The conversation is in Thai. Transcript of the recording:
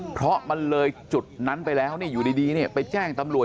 เพราะมันเลยจุดนั้นไปแล้วอยู่ดีไปแจ้งตำรวจ